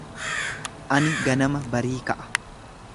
Ani ganama barii ka’a.